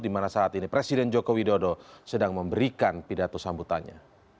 di mana saat ini presiden joko widodo sedang memberikan pidato sambutannya